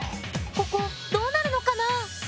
ここどうなるのかな？